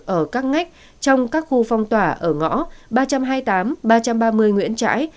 ở các ngách trong các khu phong tỏa ở ngõ ba trăm hai mươi tám ba trăm ba mươi nguyễn trãi